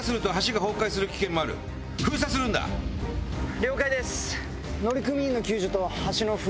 了解です。